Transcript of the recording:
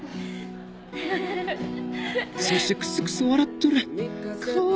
そしてクスクス笑っとるかわえ！